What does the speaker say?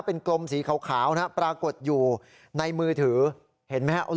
เป็นกลมสีขาวขาวนะฮะปรากฏอยู่ในมือถือเห็นไหมฮะ